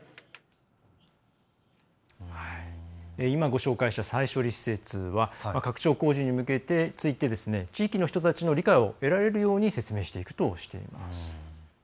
今ご紹介した再処理施設は拡張工事について地域の人たちの理解を得られるように説明していくとしています。